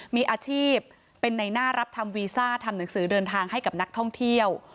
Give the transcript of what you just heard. มีอาชีพเป็นในหน้ารับทำวีซ่าทำหนังสือเดินทางให้กับนักท่องเที่ยว